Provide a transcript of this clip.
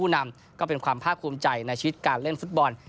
ในชีวิตการเล่นฟุตบอล